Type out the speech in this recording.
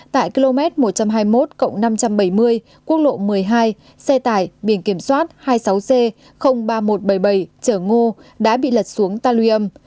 tại km một trăm hai mươi một năm trăm bảy mươi quốc lộ một mươi hai xe tải biển kiểm soát hai mươi sáu c ba nghìn một trăm bảy mươi bảy trở ngô đã bị lật xuống talium